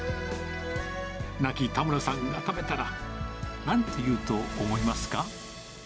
亡き田村さんが食べたら、なんて言うと思いますか？